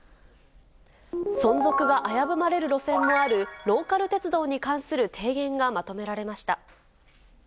存続が危ぶまれる路線もある、ローカル鉄道に関する提言がまとめられました。